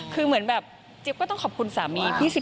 คือเหมือนแบบจิ๊บก็ต้องขอบคุณสามี